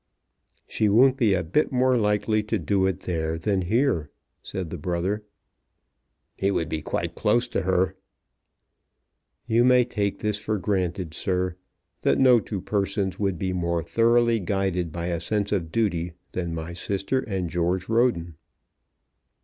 "She won't be a bit more likely to do it there than here," said the brother. "He would be quite close to her." "You may take this for granted, sir, that no two persons would be more thoroughly guided by a sense of duty than my sister and George Roden."